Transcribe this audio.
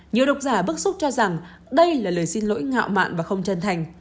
nhiều độc giả bức xúc cho rằng đây là lời xin lỗi ngạo mạn và không chân thành